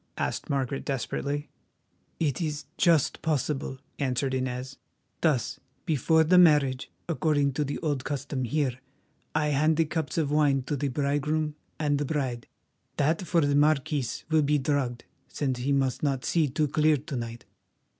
asked Margaret desperately. "It is just possible," answered Inez; "thus, before the marriage, according to the old custom here, I hand the cups of wine to the bridegroom and the bride. That for the marquis will be drugged, since he must not see too clear to night.